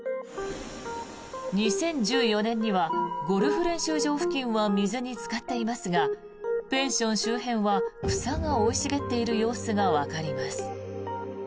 ２０１４年にはゴルフ練習場付近は水につかっていますがペンション周辺は草が生い茂っている様子がわかります。